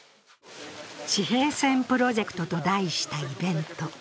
地平線プロジェクトと題したイベント。